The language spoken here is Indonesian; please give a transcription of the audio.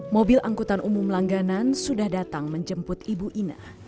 mobil angkutan umum langganan sudah datang menjemput ibu ina